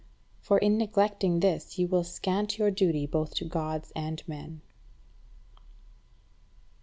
For in neglecting this, you will scant your duty both to Gods and men.